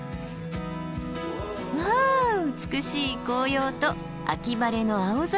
わあ美しい紅葉と秋晴れの青空。